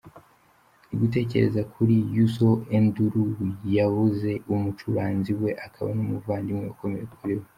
Ndigutekereza kuri Youssou N'dour, yabuze umucuranzi we akaba n’umuvandimwe ukomeye kuri we.